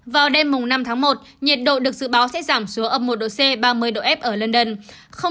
vào đêm năm tháng một nhiệt độ được dự báo sẽ giảm xuống âm một độ c ba mươi độ f ở london